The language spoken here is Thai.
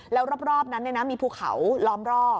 แล้วรอบนั้นมีภูเขาล้อมรอบ